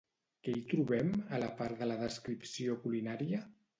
Què hi trobem, a part de la descripció culinària?